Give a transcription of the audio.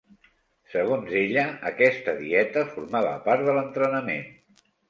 Segons ella, aquesta dieta formava part de l'entrenament.